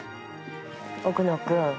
奥野君。